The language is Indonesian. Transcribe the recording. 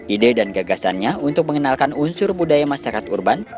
ide dan gagasannya untuk mengenalkan unsur budaya masyarakat urban